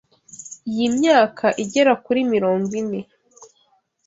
Iyi myaka igera kuri mirongo ine